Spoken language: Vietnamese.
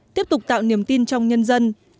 tiếp tục tạo niềm tin trong nhân dân